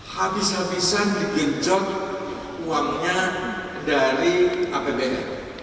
habis habisan dipinjot uangnya dari apbn